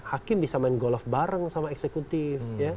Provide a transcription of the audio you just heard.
hakim bisa main golf bareng sama eksekutif